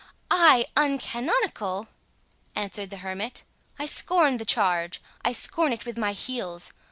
"I uncanonical!" answered the hermit; "I scorn the charge—I scorn it with my heels!